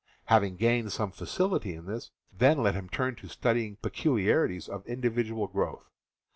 Having gained some facility in this, then let him turn to studying peculiarities of individual growth.